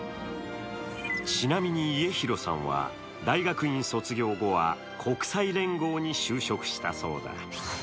なみに家広さんは大学院卒業後は国際連合に就職したそうだ。